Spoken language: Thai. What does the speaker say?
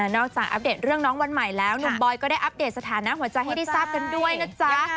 จากอัปเดตเรื่องน้องวันใหม่แล้วหนุ่มบอยก็ได้อัปเดตสถานะหัวใจให้ได้ทราบกันด้วยนะจ๊ะ